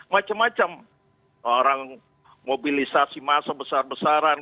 macam macam orang mobilisasi massa besar besaran